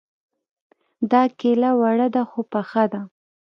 دا کيله وړه ده خو پخه ده